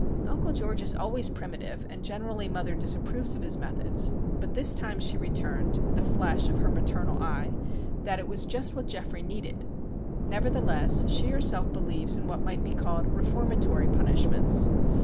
Uncle George is always primitive, and generally mother disapproves of his methods; but this time she returned, with a flash of her maternal eye, that "it was just what Geoffrey needed." Nevertheless, she herself believes in what might be called "reformatory" punishments.